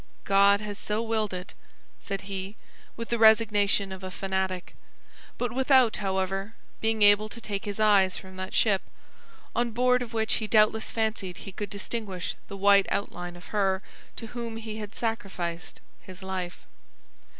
"God has so willed it!" said he, with the resignation of a fanatic; but without, however, being able to take his eyes from that ship, on board of which he doubtless fancied he could distinguish the white outline of her to whom he had sacrificed his life.